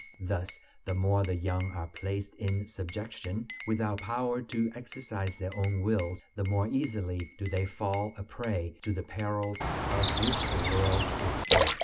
Thus the more the young are placed in subjection, without power to exercise their own wills, the more easily do they fall a prey to the perils of which the world is full.